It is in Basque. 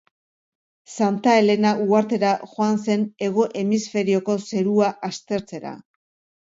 Santa Helena uhartera joan zen hego hemisferioko zerua aztertzera.